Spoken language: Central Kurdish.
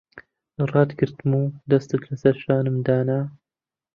ڕاتگرتم و دەستت لەسەر شانم دانا...